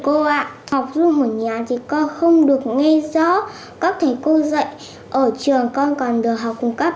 cô ạ học luôn ở nhà thì con không được nghe rõ các thầy cô dạy ở trường con còn được học cùng các